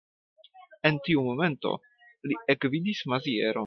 En tiu momento li ekvidis Mazieron.